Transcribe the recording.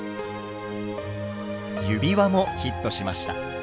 指輪もヒットしました。